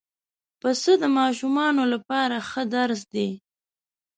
پسه د ماشومانو لپاره ښه درس دی.